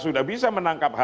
sudah bisa menangkap belum pak